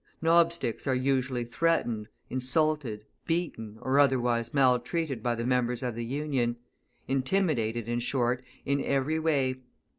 Knobsticks are usually threatened, insulted, beaten, or otherwise maltreated by the members of the Union; intimidated, in short, in every way.